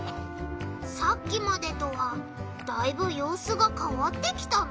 さっきまでとはだいぶようすがかわってきたな。